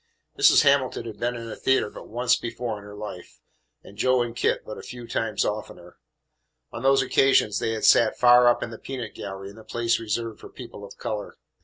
Mrs. Hamilton had been in a theatre but once before in her life, and Joe and Kit but a few times oftener. On those occasions they had sat far up in the peanut gallery in the place reserved for people of colour.